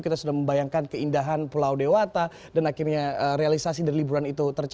kita sudah membayangkan keindahan pulau dewata dan akhirnya realisasi dari liburan itu terjadi